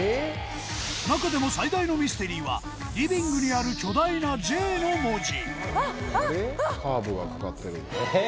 中でも最大のミステリーはリビングにある巨大なＪの文字